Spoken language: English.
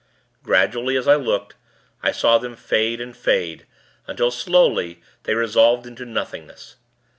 Gradually, as I looked, I saw them fade and fade; until, slowly, they resolved into nothingness.